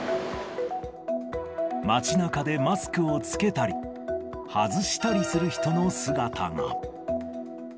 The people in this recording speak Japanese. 街なかでマスクを着けたり、外したりする人の姿が。